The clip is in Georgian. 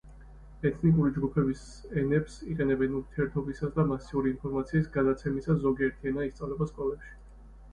ეთნიკური ჯგუფების ენებს იყენებენ ურთიერთობისას და მასიური ინფორმაციის გადაცემისას, ზოგიერთი ენა ისწავლება სკოლებში.